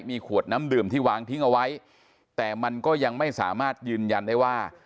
มีขวดน้ำดื่มที่วางทิ้งเอาไว้แต่มันก็ยังไม่สามารถยืนยันได้ว่า